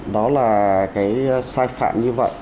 đó là cái sai phạm như vậy